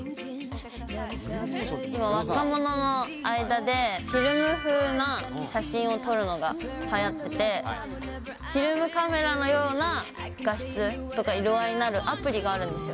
今、若者の間で、フィルム風な写真を撮るのがはやってて、フィルムカメラのような画質とか、色合いになるアプリがあるんですよ。